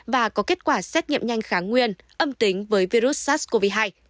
và có kết quả xét nghiệm nhanh kháng nguyên âm tính với virus sars cov hai